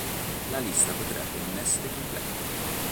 La lista potrebbe non essere completa.